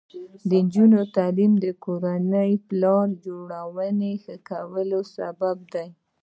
د نجونو تعلیم د کورنۍ پلان جوړونې ښه کولو سبب دی.